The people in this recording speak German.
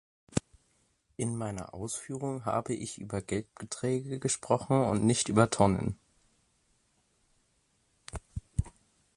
In meiner Ausführung habe ich über Geldbeträge gesprochen und nicht über Tonnen.